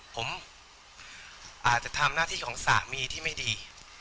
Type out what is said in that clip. ผมอาจจะทำหน้าที่ของสามีที่ไม่ดี